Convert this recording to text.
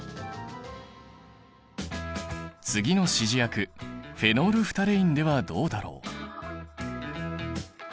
次の指示薬フェノールフタレインではどうだろう？